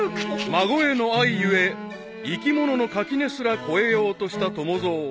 ［孫への愛故生き物の垣根すら越えようとした友蔵］